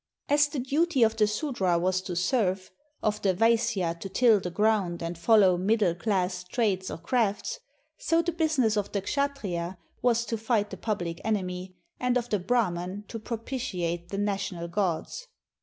As the duty of the Sudra was to serve, of the Vaisya to till the ground and follow middle class trades or crafts; so the business of the Kshattriya was to fight the public enemy, and of the Brahman to propitiate the national gods.